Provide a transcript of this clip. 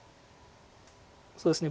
そうですね